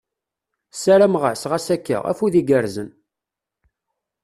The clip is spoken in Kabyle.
Ssarameɣ-as ɣas akka, afud igerrzen !